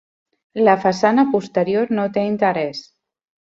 La façana posterior no té interès.